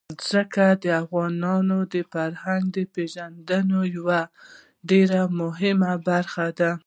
ځمکه د افغانانو د فرهنګي پیژندنې یوه ډېره مهمه برخه ده.